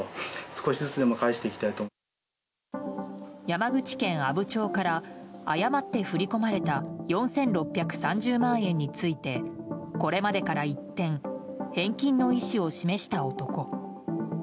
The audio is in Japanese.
山口県阿武町から誤って振り込まれた４６３０万円についてこれまでから一転返済の意思を示した男。